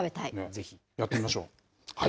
ぜひやってみましょう。